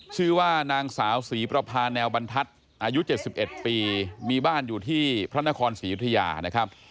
ชื่อว่านางสาวศรีประพาแนวบรรทัศน์อายุ๗๑ปีมีบ้านอยู่ที่พระนครศรียุธยานะครับ